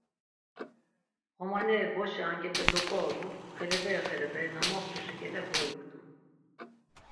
Ğomaneri boşi angepe doǩorobu, xeleberi xeleberi, na moxtuşi ǩele guiktu.